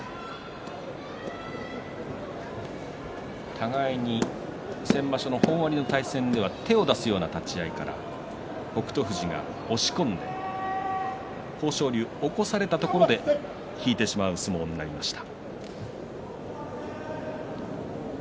互いに先場所本割の対戦では手を出すような立ち合いから北勝富士が押し込んで豊昇龍、起こされたところで引いてしまいました。